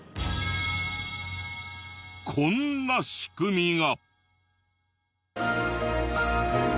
こんな仕組みが。